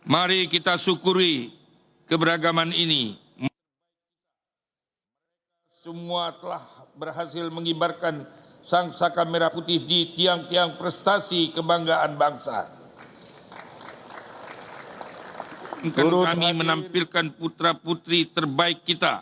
mari kita syukuri keberagaman ini